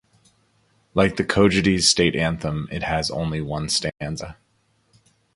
Like the Cojedes State Anthem, it has only one stanza.